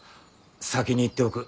先に言っておく。